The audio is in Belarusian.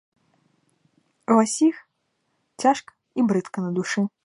Ува ўсіх цяжка і брыдка на душы.